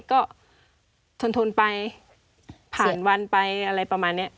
ก็ทนไปผ่านวันไปอะไรประมาณนี้